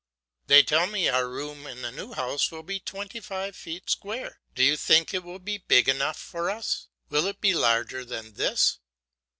They tell me our room in the new house will be twenty five feet square; do you think it will be big enough for us? Will it be larger than this?